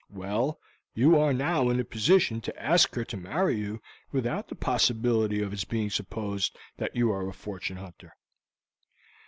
Well, you are now in a position to ask her to marry you without the possibility of its being supposed that you are a fortune hunter."